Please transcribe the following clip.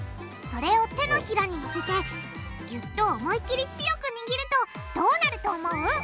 それを手のひらにのせてギュッと思い切り強くにぎるとどうなると思う？